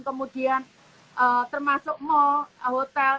kemudian termasuk mall hotel